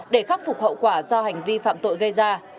để khắc phục hậu quả do hành vi phạm tội gây ra